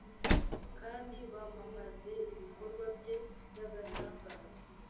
kandi bamamaze ibikorwa bye by’agatangaza